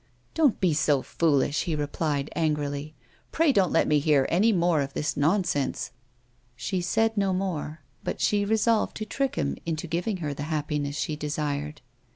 "Don't be so foolish," he replied, angrily. "Pray don't let me hear any more of this nonsense." She said no more, but she resolved to trick him into giving her the happiness she desired.